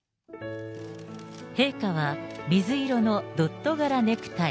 陛下は、水色のドット柄ネクタイ、